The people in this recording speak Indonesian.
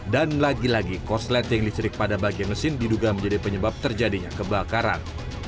dan lagi lagi korsleting listrik pada bagian mesin diduga menjadi penyebab terjadinya kebakaran